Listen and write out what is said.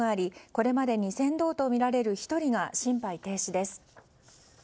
これまでに船頭とみられる１人が心肺停止です。